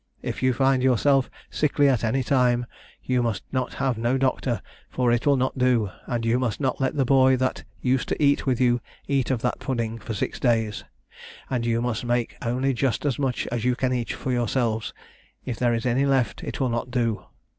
If you find yourself sickly at any time you must not have no doctor, for it will not do, and you must not let the boy that used to eat with you eat of that pudding for six days; and you must make only just as much as you can eat yourselves, if there is any left it will not do.